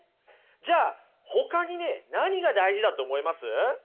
じゃあほかにね何が大事だと思います？